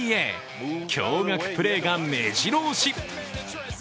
驚がくプレーがめじろ押し。